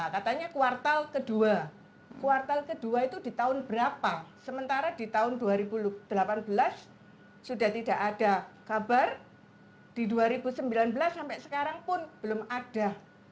katanya kuartal kedua kuartal kedua itu di tahun berapa sementara di tahun dua ribu delapan belas sudah tidak ada kabar di dua ribu sembilan belas sampai sekarang pun belum ada